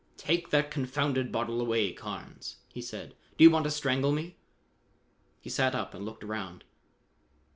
"Take that confounded bottle away, Carnes!" he said. "Do you want to strangle me?" He sat up and looked around.